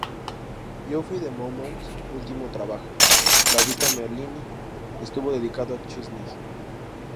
Geoffrey de Monmouth último trabajo, la "Vita Merlini", estuvo dedicado a Chesney.